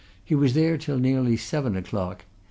He was there till nearly seven o'clock.